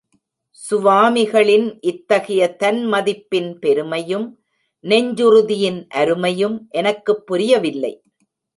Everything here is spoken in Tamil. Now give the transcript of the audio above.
சுவாமிகளின் இத்தகைய தன் மதிப்பின் பெருமையும், நெஞ்சுறுதியின் அருமையும் எனக்குப் புரியவில்லை.